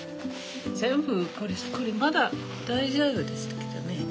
全部これまだ大丈夫ですけどね。